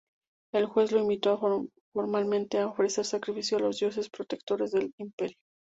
El juez lo invitó formalmente a ofrecer sacrificio a los dioses protectores del Imperio.